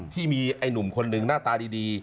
ที่มีไอ้หนุ่มคนหนึ่งหน้าตาดี